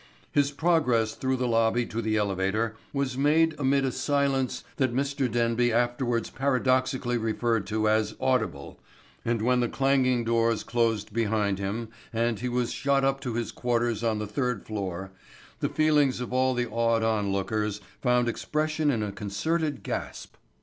His progress through the lobby to the elevator was made amid a silence that Mr. Denby afterwards paradoxically referred to as "audible" and when the clanging doors closed behind him and he was shot up to his quarters on the third floor, the feelings of all the awed onlookers found expression in a concerted gasp.